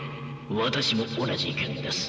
私も同じ意見です。